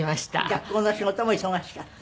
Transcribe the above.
学校の仕事も忙しかった？